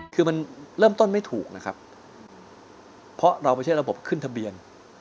คือมันเริ่มต้นไม่ถูกนะครับเพราะเราไม่ใช่ระบบขึ้นทะเบียน